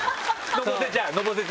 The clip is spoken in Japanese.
のぼせちゃう？